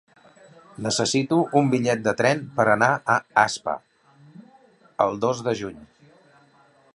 Necessito un bitllet de tren per anar a Aspa el dos de juny.